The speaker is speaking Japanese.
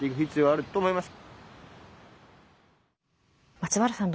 松原さん